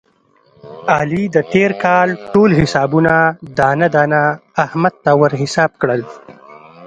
علي د تېر کال ټول حسابونه دانه دانه احمد ته ور حساب کړل.